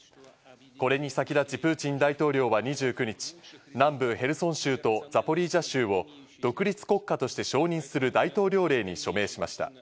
これに先立ちプーチン大統領は２９日、南部ヘルソン州とザポリージャ州を独立国家として承認する大統領令に署名しました。